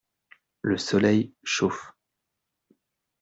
Le soleil chauffe.